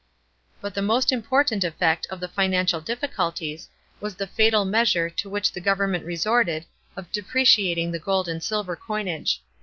But the most important effect of the financial difficulties was the fatal measure to which the government resorted of depreciating the gold and silver coinage.